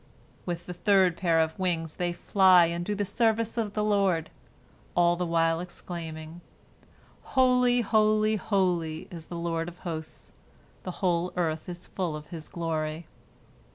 With the third pair of wings they fly and do the service of the Lord, all the while exclaiming, "Holy, holy, holy is the Lord of hosts; the whole earth is full of His glory."